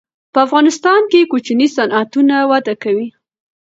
په افغانستان کې کوچني صنعتونه وده کوي.